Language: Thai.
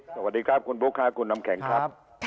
สวัสดีครับคุณบุ๊คค่ะคุณน้ำแข็งครับ